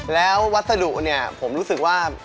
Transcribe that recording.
แล้ววัสดุเนี่ยผมรู้สึกว่า